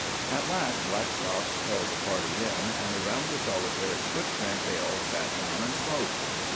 At last Blackstock called the party in, and around the solitary footprint they all sat down and smoked.